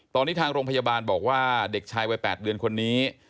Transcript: ตอนนี้ทางโรงพยาบาลบอกว่าเด็กชายวัย๘เดือนคนนี้